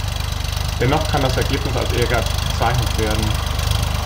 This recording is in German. Dennoch kann das Ergebnis als ehrgeizig bezeichnet werden.